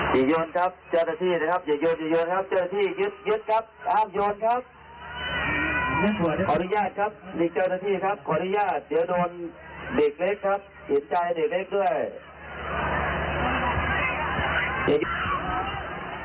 หยุดครับเดี๋ยวโดนเด็กเล็กครับเห็นใจเด็กเล็กด้วย